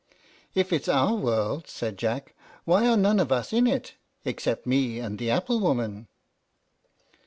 "If it's our world," said Jack, "why are none of us in it, excepting me and the apple woman?"